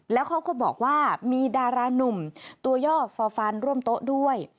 แล้วเขาก็บอกว่ามีดารานุ่มตัวย่อฟอร์ฟันร่วมโต๊ะด้วย